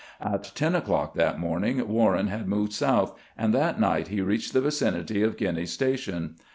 At ten o'clock that morning Warren had moved south, and that night he reached the vicinity of Guiney's Station.